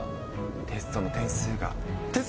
テストの点数が。